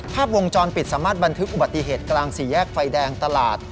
ภาพวงจรปิดสามารถบันทึกอุบัติเหตุกลางสี่แยกไฟแดงตลาด